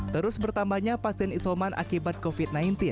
terus bertambahnya pasien isoman akibat covid sembilan belas